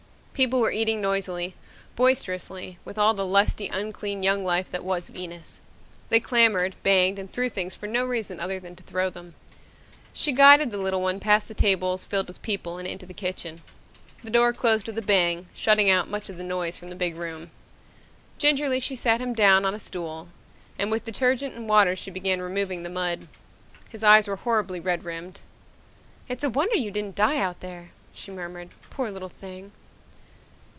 People were eating noisily, boisterously, with all the lusty, unclean young life that was Venus. They clamored, banged and threw things for no reason other than to throw them. She guided the little one past the tables filled with people and into the kitchen. The door closed with a bang, shutting out much of the noise from the big room. Gingerly she sat him down on a stool, and with detergent and water she began removing the mud. His eyes were horribly red rimmed. "It's a wonder you didn't die out there," she murmured. "Poor little thing!"